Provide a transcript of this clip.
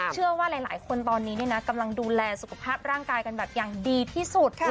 เชื่อว่าหลายคนตอนนี้กำลังดูแลสุขภาพร่างกายกันแบบอย่างดีที่สุด